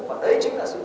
và đấy chính là sự cần